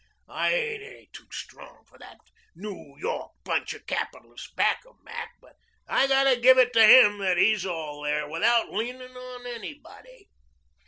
I ain't any too strong for that New York bunch of capitalists back of Mac, but I've got to give it to him that he's all there without leaning on anybody."